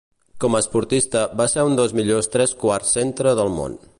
Com a esportista va ser un dels millors tres-quarts centre del món.